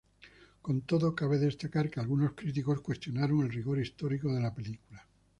Con todo, cabe destacar que algunos críticos cuestionaron el rigor histórico de la película.